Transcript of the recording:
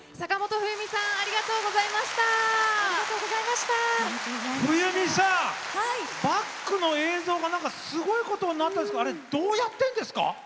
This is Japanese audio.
冬美さん、バックの映像がすごいことになってますがどうやってるんですか？